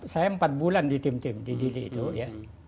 saya empat bulan di tim tim di dini itu ya